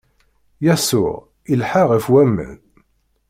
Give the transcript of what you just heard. Yasuɛ ilḥa ɣef waman.